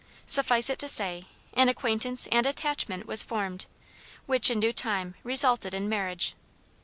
Suffice it to say, an acquaintance and attachment was formed, which, in due time, resulted in marriage.